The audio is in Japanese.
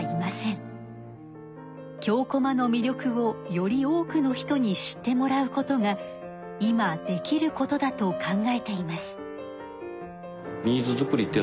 京こまのみりょくをより多くの人に知ってもらうことが今できることだと考えています。